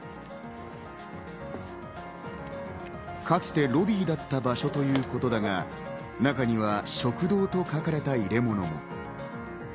かつてロビーだった場所ということだが、中には「食堂」と書かれた入れ物も。